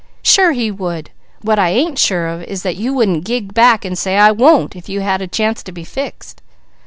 Sure he would! What I ain't sure of is that you wouldn't gig back and say, 'I won't!' if you had a chance to be fixed."